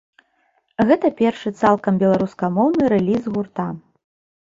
Гэта першы цалкам беларускамоўны рэліз гурта.